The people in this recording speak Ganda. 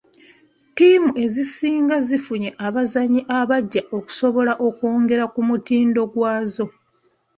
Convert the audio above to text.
Ttiimu ezisinga zifunye abazannyi abaggya okusobola okwongera ku mutindo gwazo.